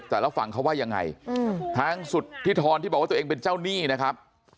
ระหว่างฝั่งเขาว่ายังไงทางสุธิธรที่บอกว่าตัวเองเป็นเจ้าหนี้นะครับ